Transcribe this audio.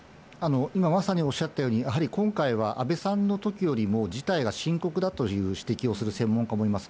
今まさにおっしゃったように、やはり今回は安倍さんのときよりも事態は深刻だという指摘をする専門家もいます。